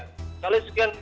sekalian sekian ribu